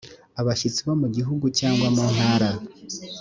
abashyitsi bo mu gihugu cyangwa muntara